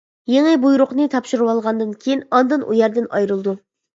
يېڭى بۇيرۇقنى تاپشۇرۇۋالغاندىن كېيىن، ئاندىن ئۇ يەردىن ئايرىلىدۇ.